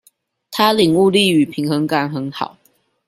他領悟力與平衡感很好